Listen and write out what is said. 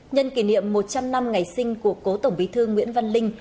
nhân kỷ niệm một trăm linh năm ngày sinh của cố tổng bí thư nguyễn văn linh